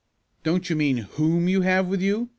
"Don't you mean 'whom' you have with you?"